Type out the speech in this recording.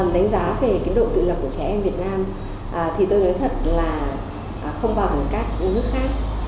đánh giá về cái độ tự lập của trẻ em việt nam thì tôi nói thật là không bằng các nước khác